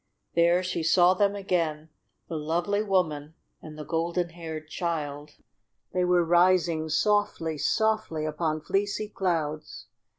There she saw them again the lovely woman and the golden haired child. They were rising softly, softly upon fleecy clouds.